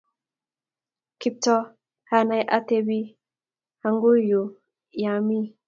Kiptoo anai atepi ang yu ya amii